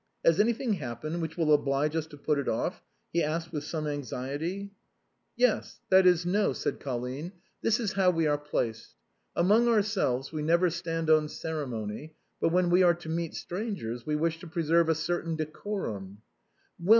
" Has anything happened which will oblige us to put it off ?" he asked, with some anxiety. " Yes — that is, no "— said Colline ;" this is how we are placed. Among ourselves we never stand on ceremony, but when we are to meet strangers, we wish to preserve a certain decorum."